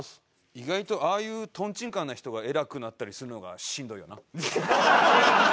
「意外とああいうトンチンカンな人が偉くなったりするのがしんどいよな」。